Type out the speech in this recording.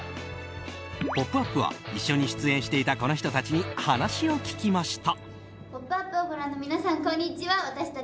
「ポップＵＰ！」は一緒に出演していたこの人たちに話を聞きました。